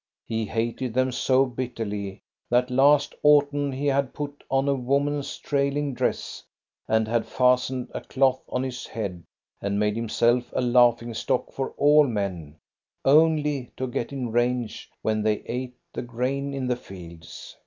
He hated them so bitterly that last autumn he had put on a woman's trailing dress, and had fastened a cloth on his head and made himself a laughing stock for all men, only to get in range when they ate the grain in the fields.